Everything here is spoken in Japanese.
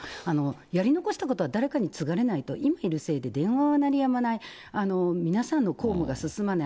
やり残したことは誰かに継がれないと、今いるせいで電話は鳴りやまない、皆さんの公務が進まない、